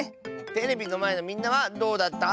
テレビのまえのみんなはどうだった？